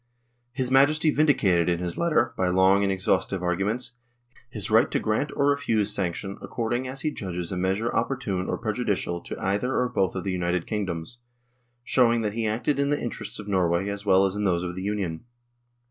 His Majesty vindicated in his letter, by long and exhaustive arguments, his right to grant or refuse sanction according as he judges a measure opportune or prejudicial to either or both of the united kingdoms, showing that he acted in the interests of Norway as well as in those of the Union.